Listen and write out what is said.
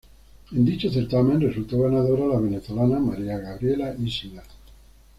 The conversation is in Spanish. En dicho certamen resultó ganadora la venezolana Maria Gabriela Isler.